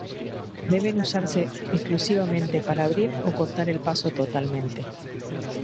Deben usarse exclusivamente par abrir o cortar el paso totalmente.